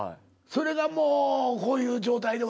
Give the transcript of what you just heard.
それがもうこういう状態で。